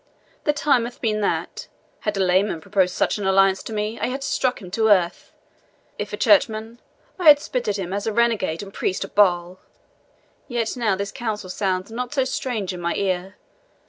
The time hath been that, had a layman proposed such alliance to me, I had struck him to earth if a churchman, I had spit at him as a renegade and priest of Baal; yet now this counsel sounds not so strange in mine ear.